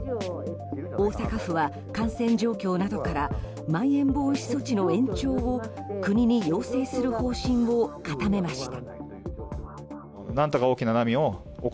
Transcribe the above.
大阪府は感染状況などからまん延防止措置の延長を国に要請する方針を固めました。